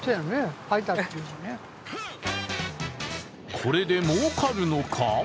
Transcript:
これで儲かるのか？